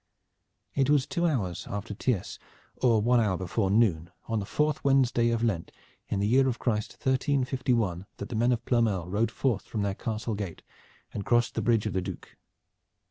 It was two hours after tierce, or one hour before noon, on the fourth Wednesday of Lent in the year of Christ 1351 that the men of Ploermel rode forth from their castle gate and crossed the bridge of the Due.